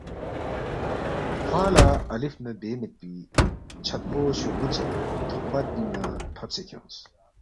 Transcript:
کھوانگ لہ الف نہ بے میدپی چھدپو شوقبُو چِک تھوق بر پِنگ نہ فبسے کھیونگس،